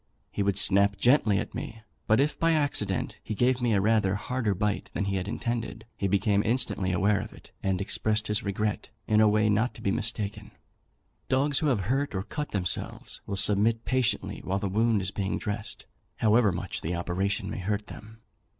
He would snap gently at me, but if, by accident, he gave me rather a harder bite than he had intended, he became instantly aware of it, and expressed his regret in a way not to be mistaken. Dogs who have hurt or cut themselves will submit patiently while the wound is being dressed, however much the operation may hurt them.